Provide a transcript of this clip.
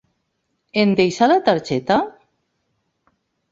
Em deixa la targeta...?